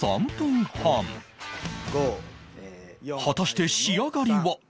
果たして仕上がりは